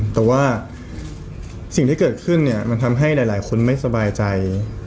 แต่ว่าสิ่งที่เกิดขึ้นเนี่ยมันทำให้หลายคนไม่สบายใจ